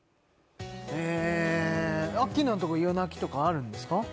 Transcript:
アッキーナのところ夜泣きとかあるんですか？